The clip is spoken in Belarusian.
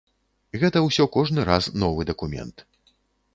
Гэта ўсё кожны раз новы дакумент.